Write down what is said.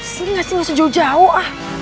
sini gak sih gak sejauh jauh ah